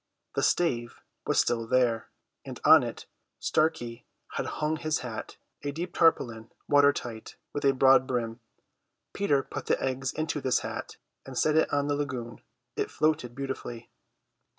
The stave was still there, and on it Starkey had hung his hat, a deep tarpaulin, watertight, with a broad brim. Peter put the eggs into this hat and set it on the lagoon. It floated beautifully.